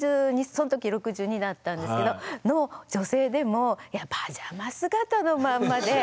その時６２だったんですけどの女性でもいやパジャマ姿のまんまで。